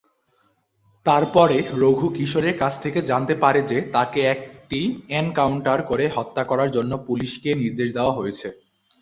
তারপরে রঘু কিশোরের কাছ থেকে জানতে পারে যে তাকে একটি "এনকাউন্টার" করে হত্যা করার জন্য পুলিশকে নির্দেশ দেওয়া হয়েছে।